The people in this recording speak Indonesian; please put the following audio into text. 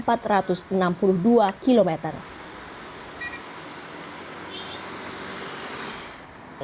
pria tiga puluh enam tahun ini sedang menuju desa asalnya di karangayu cepiring kabupaten kendal jawa tengah